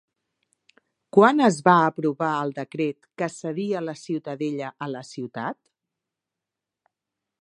Quan es va aprovar el decret que cedia la Ciutadella a la ciutat?